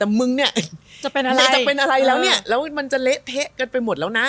แต่มึงเนี่ยจะเป็นอะไรจะเป็นอะไรแล้วเนี่ยแล้วมันจะเละเทะกันไปหมดแล้วนะ